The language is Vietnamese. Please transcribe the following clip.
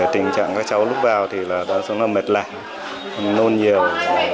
tình trạng các cháu lúc vào thì đoán xuống là mệt lạnh nôn nhiều